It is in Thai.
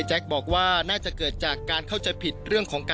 ช่วยเร่งจับตัวคนร้ายให้ได้โดยเร่ง